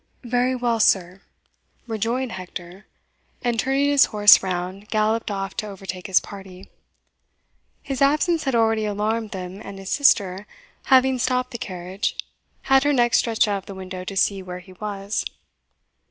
"Very well, sir," rejoined Hector, and, turning his horse round, galloped off to overtake his party. His absence had already alarmed them, and his sister, having stopped the carriage, had her neck stretched out of the window to see where he was.